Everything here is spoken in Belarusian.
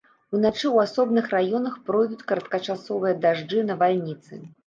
Уначы ў асобных раёнах пройдуць кароткачасовыя дажджы, навальніцы.